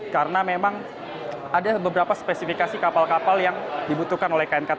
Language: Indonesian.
karena memang ada beberapa spesifikasi kapal kapal yang dibutuhkan oleh knkt